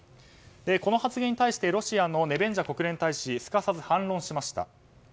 この発言に対してロシアのネベンジャ国連大使すかさず反論しました。